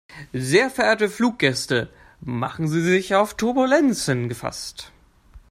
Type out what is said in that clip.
Sehr verehrte Fluggäste, machen Sie sich auf Turbulenzen gefasst.